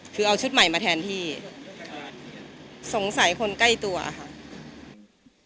คือเอาชุดใหม่มาแทนที่สงสัยคนใกล้ตัวค่ะ